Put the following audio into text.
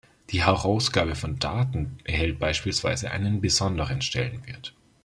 Die Herausgabe von Daten erhält beispielsweise einen besonderen Stellenwert.